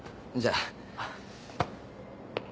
じゃあ。